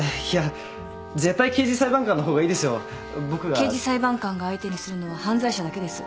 刑事裁判官が相手にするのは犯罪者だけです。